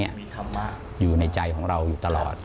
อยู่ในใจของเราอยู่ตลอด